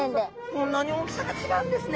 こんなに大きさが違うんですね。